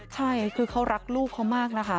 ใช่คือเขารักลูกเขามากนะคะ